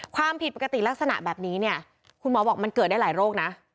ความผิดปกติลักษณะแบบนี้เนี่ยคุณหมอบอกมันเกิดได้หลายโรคนะ